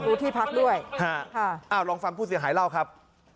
ดูที่พักด้วยฮะค่ะอ้าวลองฟังผู้เสียหายเล่าครับ